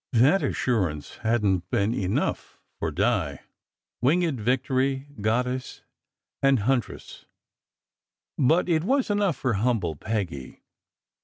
That assurance hadn t been enough for Di, Winged Victory, Goddess, and Huntress, but it was enough for humble Peggy.